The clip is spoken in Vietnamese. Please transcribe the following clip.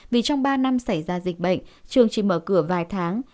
vì trong ba năm xảy ra dịch bệnh trường chỉ mở cửa vài tháng